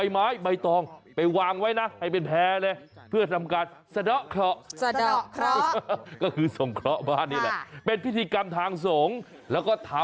อีกหนึ่งวิธีที่เขาปัดเป่าสิ่งไม่ดีและจะทำวิธีนี้หลังจากสงครานครับ